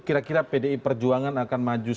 kira kira pdi perjuangan akan maju